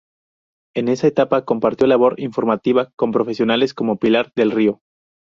En esa etapa compartió labor informativa con profesionales como Pilar del Río.